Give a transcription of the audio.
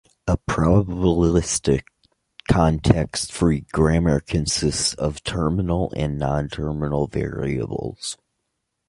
A probabilistic context free grammar consists of terminal and nonterminal variables.